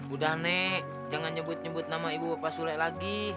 udah nek jangan nyebut nyebut nama ibu pak sule lagi